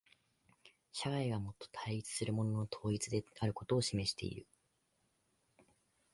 社会がもと対立するものの統一であることを示している。